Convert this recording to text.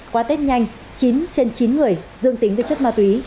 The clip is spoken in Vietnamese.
qua tết nhanh chín trên chín người dương tính với chất ma túy